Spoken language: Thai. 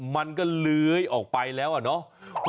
มันก็เลื้อยออกไปแล้วอะเนาะ